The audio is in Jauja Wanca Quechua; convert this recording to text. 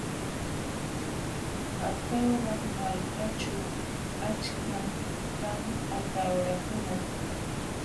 Atawra malkaćhu achkam kan atawrakuna.